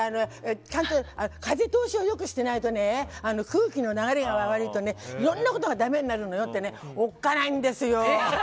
風通しを良くしていないと空気の流れが悪いといろんなことが悪くなるのよっておっかないんですよ。